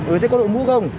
ừ thế có nội mũ không